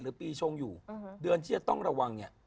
ปีชงอยู่เดือนที่จะต้องระวังเนี่ย